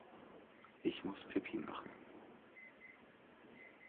Ich muss Pipi machen.